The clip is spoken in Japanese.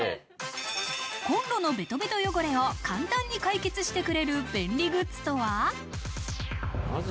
コンロのベトベト汚れを簡単に解決してくれる便利グッズとは？